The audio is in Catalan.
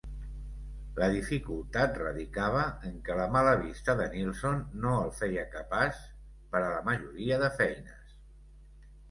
La dificultat radicava en què la mala vista de Neilson no el feia capaç per a la majoria de feines.